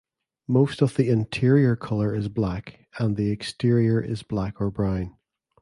Most of the interior color is black and the exterior is black or brown.